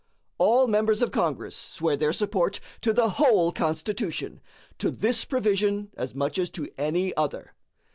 All members of Congress swear their support to the whole Constitution to this provision as much as to any other.